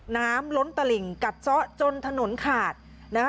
น้ำล้นตลิ่งกัดเจาะจนถนนขาดนะคะ